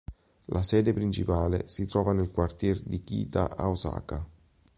La sede principale si trova nel quartiere di Kita a Osaka.